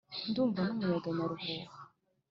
ndumva n’umuyaga nyaruhuha